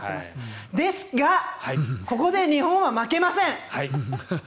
ですがここで日本は負けません！